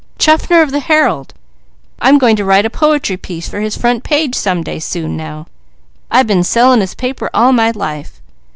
"Chaffner of the Herald. I'm going to write a poetry piece for his front page, some day soon now. I been selling his paper all my life."